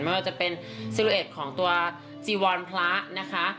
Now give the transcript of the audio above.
ไม่ว่าจะเป็นซูเอทครองตัวจีวัลพระ